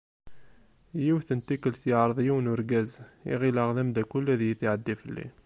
Yiwet n tikkelt yeɛreḍ yiwen n urgaz i ɣileɣ d amddakel ad yetɛeddi fell-i.